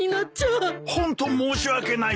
ホント申し訳ないぞ。